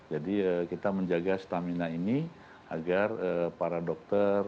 jadi kita menjaga stamina ini agar para dokter kemudian perawat dan berpengalaman